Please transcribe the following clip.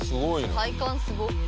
体幹すごっ！